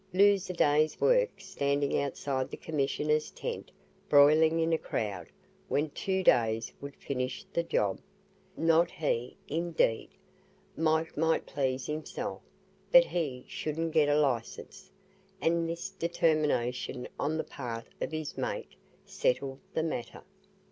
"Lose a day's work standing outside the Commissioner's tent broiling in a crowd, when two days would finish the job? Not he, indeed! Mike might please himself, but HE shouldn't get a licence;" and this determination on the part of his "mate" settled the matter.